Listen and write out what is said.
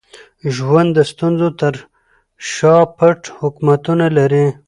ژوند د ستونزو تر شا پټ حکمتونه لري.